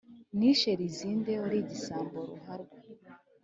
Nishe Lizinde wari igisambo ruharwa